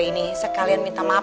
ini sekalian minta maaf